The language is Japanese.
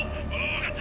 分かった！